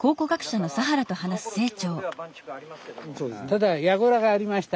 ただやぐらがありました